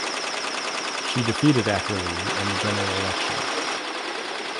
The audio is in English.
She defeated Ackerley in the general election.